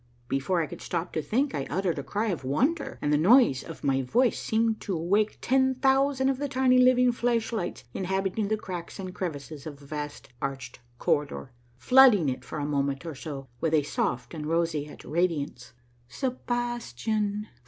Before I could stop to think, I uttered a cry of wonder, and the noise of my voice 88 A MARVELLOUS UNDERGROUND JOURNEY seemed to awaken ten thousand of the tiny living flash lights inhabiting the cracks and crevices of the vast arched corridor, flooding it for a moment or so with a soft and roseate radiance. " Sebastian